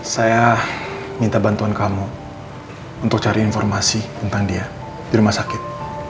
saya minta bantuan kamu untuk cari informasi tentang dia di rumah sakit